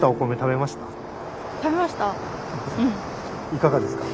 いかがですか？